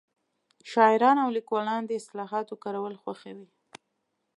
شاعران او لیکوالان د اصطلاحاتو کارول خوښوي